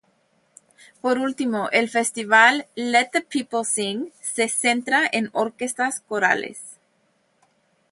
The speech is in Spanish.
Por último, el Festival "Let the Peoples Sing" se centra en orquestas corales.